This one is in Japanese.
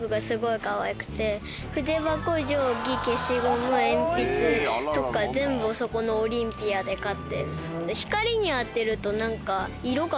筆箱定規消しゴム鉛筆とか全部ＯＬＹＭＰＩＡで買ってる。